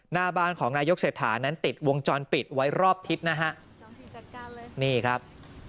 หน้าบ้านของนายกเศรษฐานั้นติดวงจรปิดไว้รอบทิศนะฮะนี่ครับ